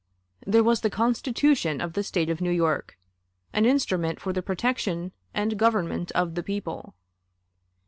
There was the Constitution of the State of New York, an instrument for the protection and government of the people.